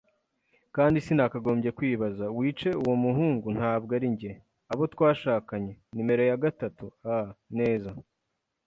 kandi sinakagombye kwibaza. Wice uwo muhungu? Ntabwo ari njye, abo twashakanye! Numero ya gatatu? Ah, neza,